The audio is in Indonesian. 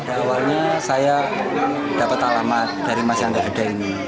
awalnya saya dapat alamat dari masyarakat beda ini